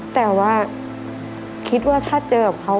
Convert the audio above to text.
แต่ว่าคิดว่าถ้าเจอกับเขา